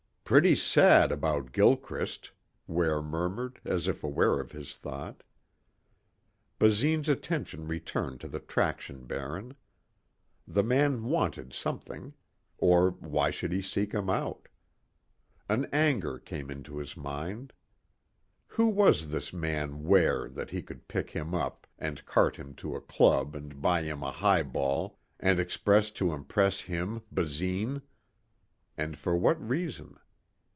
"Pretty sad about Gilchrist," Ware murmured as if aware of his thought. Basine's attention returned to the traction baron. The man wanted something. Or why should he seek him out? An anger came into his mind. Who was this man Ware that he could pick him up and cart him to a club and buy him a highball and expect to impress him, Basine? And for what reason?